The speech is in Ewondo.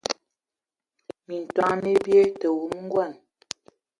Minton mi bie, tə wumu ngɔn.